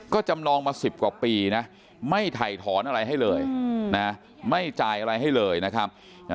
ก็จำลองมา๑๐กว่าปีนะไม่ถ่ายถอนอะไรให้เลยนะไม่จ่ายอะไรให้เลยนะครับ